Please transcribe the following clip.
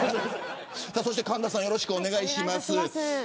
そして、神田さんよろしくお願いします。